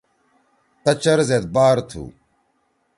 قچر زید بار تُھو۔